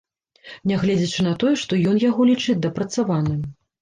Нягледзячы на тое, што ён яго лічыць дапрацаваным.